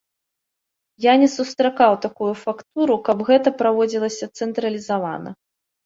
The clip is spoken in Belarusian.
Я не сустракаў такую фактуру, каб гэта праводзілася цэнтралізавана.